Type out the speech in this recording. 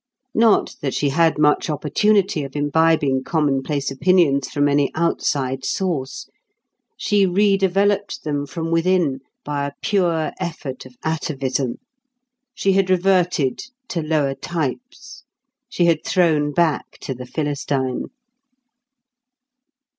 Not that she had much opportunity of imbibing commonplace opinions from any outside source; she redeveloped them from within by a pure effort of atavism. She had reverted to lower types. She had thrown back to the Philistine.